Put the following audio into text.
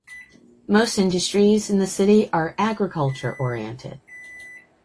Most industries in the city are agriculture-oriented.